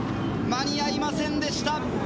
間に合いませんでした。